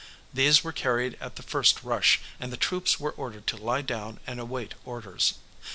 These were carried at the first rush, and the troops were ordered to lie down and await orders.